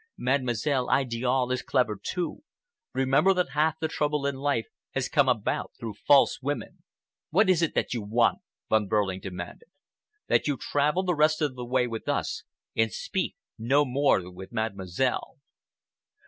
Mademoiselle Idiale is clever, too. Remember that half the trouble in life has come about through false women. "What is it that you want?" Von Behrling demanded. "That you travel the rest of the way with us, and speak no more with Mademoiselle."